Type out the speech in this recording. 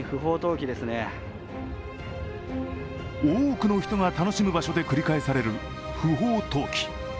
多くの人が楽しむ場所で繰り返される不法投棄。